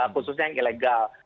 khususnya yang ilegal